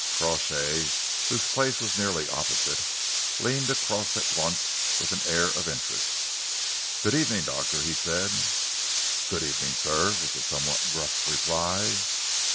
Crawshay, whose place was nearly opposite, leaned across at once with an air of interest. "Good evening, Doctor," he said. "Good evening, sir," was the somewhat gruff reply.